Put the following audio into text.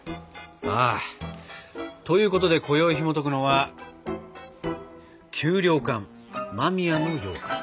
ああということでこよいひもとくのは「給糧艦間宮のようかん」。